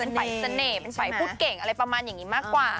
เป็นฝ่ายเสน่ห์เป็นฝ่ายพูดเก่งอะไรประมาณอย่างนี้มากกว่า